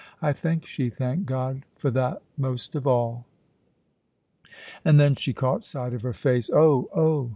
I think she thanked God for that most of all. And then she caught sight of her face oh, oh!